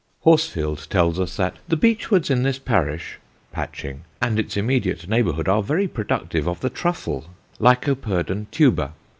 Horsfield tells us that "the beechwoods in this parish [Patching] and its immediate neighbourhood are very productive of the Truffle (Lycoperdon tuber).